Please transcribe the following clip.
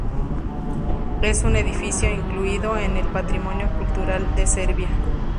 Es un edificio incluido en el Patrimonio Cultural de Serbia.